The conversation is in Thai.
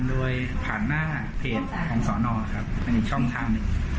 โดยผ่านหน้าเพจของสอนอครับเป็นอีกช่องทางหนึ่ง